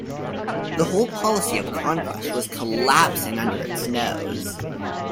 The whole policy of conquest was collapsing under its nose.